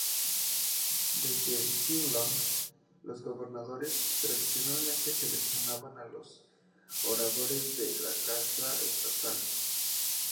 Desde Huey Long, los gobernadores tradicionalmente seleccionaban a los oradores de la casa estatal.